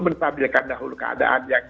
menetabilkan dahulu keadaan yang